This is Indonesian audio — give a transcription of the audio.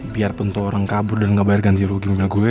biarpun tuh orang kabur dan gak bayar ganti ruginya gue